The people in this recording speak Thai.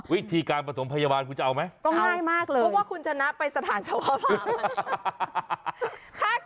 วิธีการปฐมพยาบาลกูจะเอาไหมก็ง่ายมากเลยเพราะว่าคุณจะนับไปสถานสวภาพค่ะ